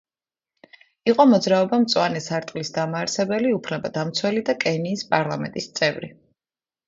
იყო მოძრაობა მწვანე სარტყლის დამაარსებელი, უფლებადამცველი და კენიის პარლამენტის წევრი.